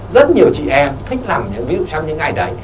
rất nhiều chị em thích làm những ví dụ trong những ngày đấy